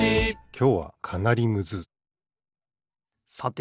きょうはかなりむずさて